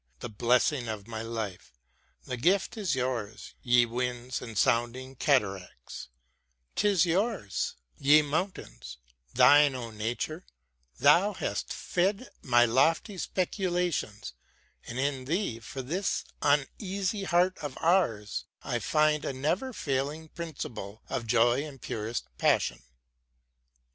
The blessing of my life j the gift is yours. Ye winds and sounding cataracts ! 'Tis yours, 120 WORDSWORTH AS A TEACHER Ye mountains ! Thine, O Nature ! Thou hast fed My lofty speculations : and in thee, Tor this uneasy heart of ours, I find A never failing principle of joy And purest passion.